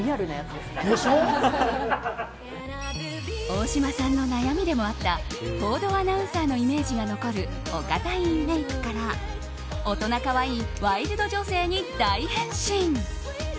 大島さんの悩みでもあった報道アナウンサーのイメージが残るお堅いメイクから大人可愛いワイルド女性に大変身。